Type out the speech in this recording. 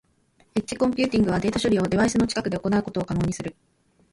エッジコンピューティングはデータ処理をデバイスの近くで行うことを可能にする。